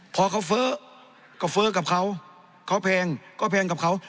พอเขาเฟ้อก็เฟ้อกับเขาเขาแพงก็แพงกับเขา